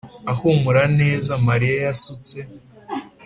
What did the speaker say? ahumura neza Mariya yasutse